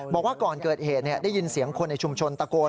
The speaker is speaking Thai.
บอกว่าก่อนเกิดเหตุได้ยินเสียงคนในชุมชนตะโกน